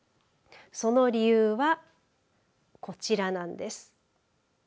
その理由はこちらなんです。